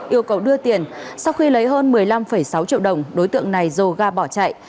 yêu cầu đưa tiền sau khi lấy hơn một mươi năm sáu triệu đồng đối tượng này dồ ga bỏ chạy